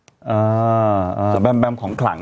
อ๋อแต่แบมแบมของขลังอ่ะ